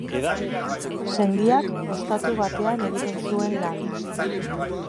Sendiak ostatu batean egiten zuen lan.